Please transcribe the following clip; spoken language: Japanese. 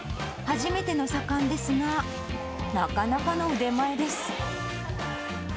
初めての左官ですが、なかなかの腕前です。